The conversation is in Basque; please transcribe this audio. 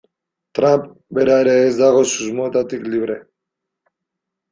Trump bera ere ez dago susmoetatik libre.